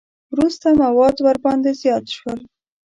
وروسته مواد ورباندې زیات شول.